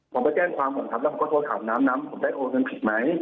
ผมไปแจ้งความก่อนครับแล้วผมก็โทรถามน้ำน้ำผมได้โอนเงินผิดไหม